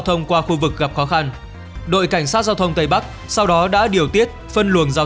thông qua khu vực gặp khó khăn đội cảnh sát giao thông tây bắc sau đó đã điều tiết phân luồng giao